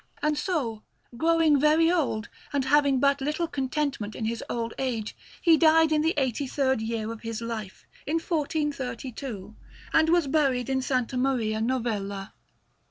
And so, growing very old, and having but little contentment in his old age, he died in the eighty third year of his life, in 1432, and was buried in S. Maria Novella.